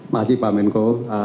makasih pak menko